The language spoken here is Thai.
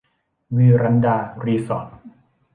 วีรันดา รีสอร์ท